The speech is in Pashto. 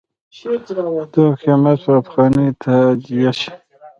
د توکو قیمت په افغانیو تادیه شي.